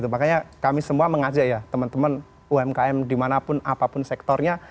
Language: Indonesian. makanya kami semua mengajak teman teman umkm di mana pun apapun sektornya